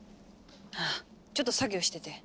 あぁちょっと作業してて。